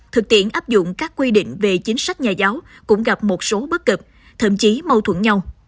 thực tiện áp dụng các quy định về chính sách nhà giáo cũng gặp một số bất cập thậm chí mâu thuẫn nhau